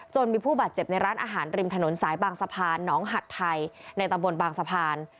มีผู้บาดเจ็บในร้านอาหารริมถนนสายบางสะพานน้องหัดไทยในตำบลบางสะพาน